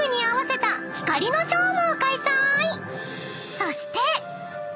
［そして］